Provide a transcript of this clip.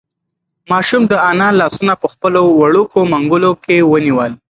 ماشوم د انا لاسونه په خپلو وړوکو منگولو کې ونیول.